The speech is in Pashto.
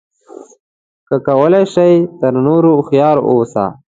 که کولای شې تر نورو هوښیار اوسه.